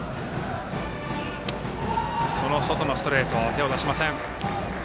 外のストレートには手を出しません。